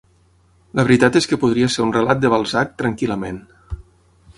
La veritat és que podria ser un relat de Balzac tranquil.lament.